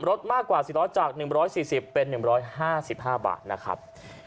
รถมากกว่าสี่ล้อจากหนึ่งร้อยสี่สิบเป็นหนึ่งร้อยห้าสิบห้าบาทนะครับ